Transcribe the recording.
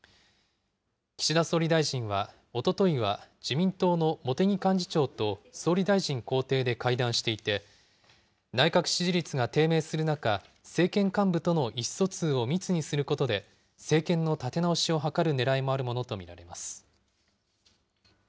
岸田総理大臣は、おとといは自民党の茂木幹事長と総理大臣公邸で会談していて、内閣支持率が低迷する中、政権幹部との意思疎通を密にすることで、政権の立て直しを図るねらいもあるものと見られます。